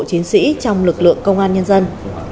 chiến sĩ trong lực lượng công an nhân dân